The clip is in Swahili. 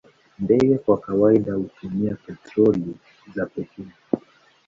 Ndege kwa kawaida hutumia petroli za pekee.